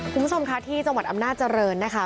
คุณผู้ชมค่ะที่จังหวัดอำนาจริงนะคะ